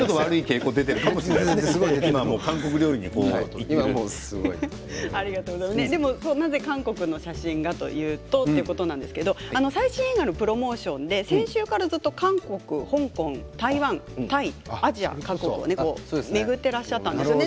ちょっと悪い傾向が出ているかもしれないなぜ韓国の写真かというとということなんですが最新映画のプロモーションで先週からずっと韓国、香港、台湾タイ、アジア各国を巡っていらっしゃったんですよね。